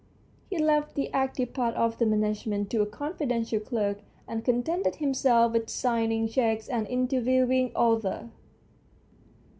He left the active part of the management to a confidential clerk, and contented himself with signing cheques and interviewing authors.